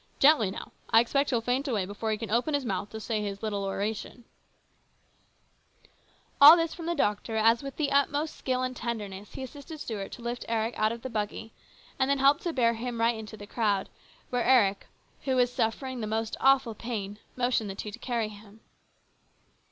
Gently now ! I expect he'll faint away before he can open his mouth to say his little oration !" All this from the doctor as with the utmost skill and tenderness he assisted Stuart to lift Eric out 152 HIS BROTHER'S KEEPER. of the buggy, and then helped to bear him right into the crowd, where Eric, who was suffering the most awful pain, motioned the two to carry him.